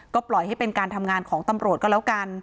ก็ปล่อยให้เป็นการทำงานของตำรวจก็แล้วกัน